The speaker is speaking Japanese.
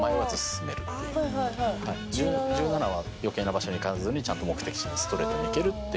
１７は余計な場所に行かずにちゃんと目的地にストレートに行けるっていう。